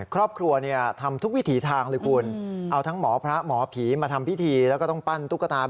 ครอบครัวทำทุกวิถีทางเลยคุณเอาทั้งหมอพระหมอผีมาทำพิธีแล้วก็ต้องปั้นตุ๊กตา